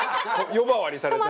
呼ばわりされたら。